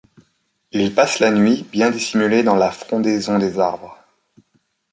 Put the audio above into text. Il passe la nuit, bien dissimulé dans la frondaison des arbres.